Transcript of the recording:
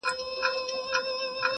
• چي را لوی سم په کتاب کي مي لوستله -